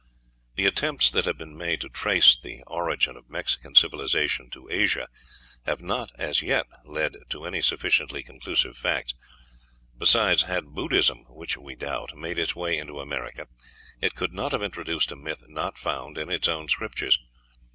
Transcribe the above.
The attempts that have been made to trace the origin of Mexican civilization to Asia have not as yet led to any sufficiently conclusive facts. Besides, had Buddhism, which we doubt, made its way into America, it could not have introduced a myth not found in its own scriptures.